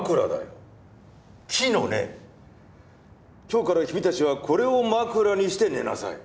今日から君たちはこれを枕にして寝なさい。